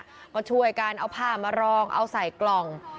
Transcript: แล้วก็ช่วยกันเอาผ้ามารองเอาใส่กล่อง